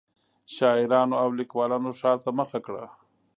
شاعرانو او لیکوالانو ښار ته مخه کړه.